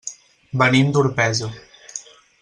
Venim d'Orpesa.